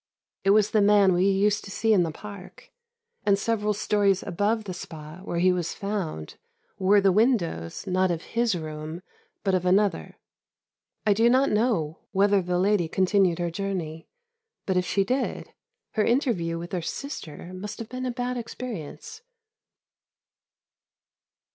It was the man we used to see in the Park, and several storeys above the spot where he was found were the windows, not of his room, but of another. I do not know whether the lady continued her journey; but, if she did, her interview with her sister must have been a bad experience.